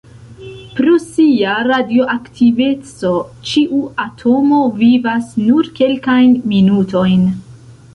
Pro sia radioaktiveco, ĉiu atomo vivas nur kelkajn minutojn.